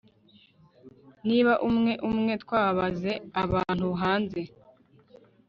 Niba umwe umwe twabaze abantu hanze